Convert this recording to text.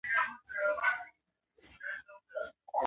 د خوشال د پاسني دويم غزل دا بيت